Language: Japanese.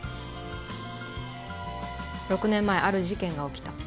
６年前ある事件が起きた。